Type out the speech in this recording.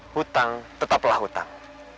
hutang tetaplah hutang